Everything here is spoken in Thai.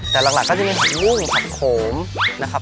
แต่หลักก็จะเป็นผักมุ่งผักโขมนะครับ